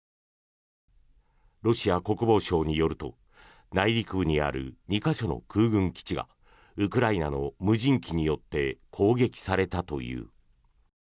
ロシア国防省によると内陸部にある２か所の空軍基地がウクライナの無人機によって攻撃されたという。